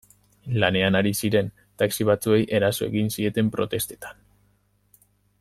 Lanean ari ziren taxi batzuei eraso egin zieten protestetan.